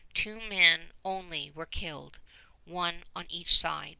Two men only were killed, one on each side.